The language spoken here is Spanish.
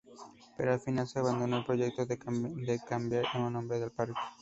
Pero al final se abandonó el proyecto de cambiar el nombre del parque.